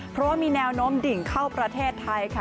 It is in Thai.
เพราะว่ามีแนวโน้มดิ่งเข้าประเทศไทยค่ะ